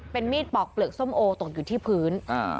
มีดปอกเปลือกส้มโอตกอยู่ที่พื้น